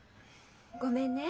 ごめんね。